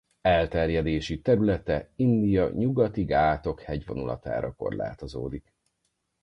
Elterjedési területe India Nyugati-Ghátok hegyvonulatára korlátozódik.